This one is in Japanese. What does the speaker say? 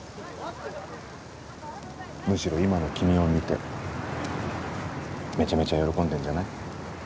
むしろ今の君を見てめちゃめちゃ喜んでんじゃない？